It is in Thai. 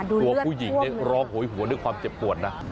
ดูเลือดพ่วงเลยตัวผู้หญิงร้องโหยหัวด้วยความเจ็บปวดนะ